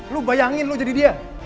lo bayangin lo jadi dia